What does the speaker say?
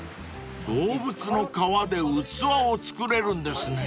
［動物の革で器を作れるんですね］